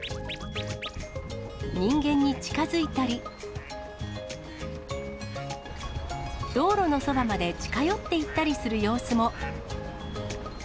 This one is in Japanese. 人間に近づいたり、道路のそばまで近寄っていったりする様子も。